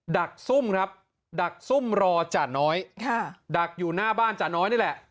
ดักซุ่มครับดักซุ่มรอจ่าน้อยดักอยู่หน้าบ้านจ่าน้อยนี่แหละ